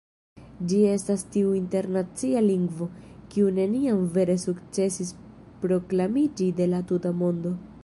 Ĝi estas tiu internacia lingvo, kiu neniam vere sukcesis proklamiĝi de la tuta mondo.